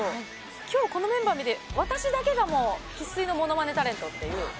きょう、このメンバー見て、私だけがもう、生粋のものまねタレントっていう。